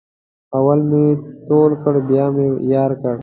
اول مې تول کړ بیا مې یار کړ.